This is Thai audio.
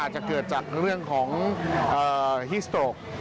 อาจจะเกิดจากเรื่องของฮิสโตรก